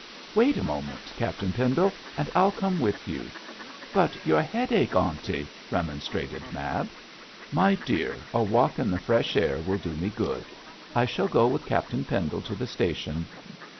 'Wait a moment, Captain Pendle, and I'll come with you.' 'But your headache, aunty?' remonstrated Mab. 'My dear, a walk in the fresh air will do me good. I shall go with Captain Pendle to the station.